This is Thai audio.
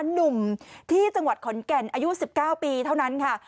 หนุ่มที่จังหวัดขอนแก่นอายุ๑๙ปีเท่านั้นค่ะ